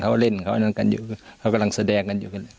เขาเล่นเขาอันนั้นกันอยู่เขากำลังแสดงกันอยู่